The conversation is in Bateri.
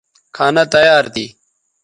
کھانہ تیار تھی